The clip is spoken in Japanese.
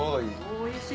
おいしい！